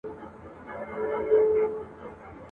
په غېږ کي ورکړل